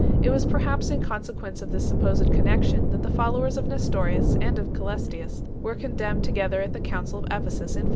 It was perhaps in consequence of this supposed connexion that the followers of Nestorius and of Cselestius were con demned together at the Council of Ephesus 3 in 431.